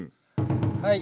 はい。